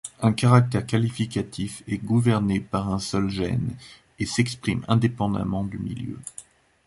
Un caractère qualitatif est gouverné par un seul gène et s'exprime indépendamment du milieu.